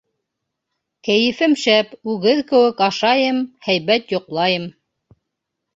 Кәйефем шәп, үгеҙ кеүек ашайым, һәйбәт йоҡлайым.